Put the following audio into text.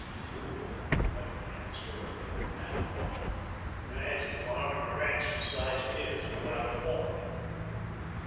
"Fool!" muttered Annixter when the old man had gone. "Imagine farming a ranch the size of his without a foreman."